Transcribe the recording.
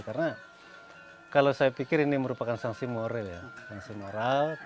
karena kalau saya pikir ini merupakan sanksi moral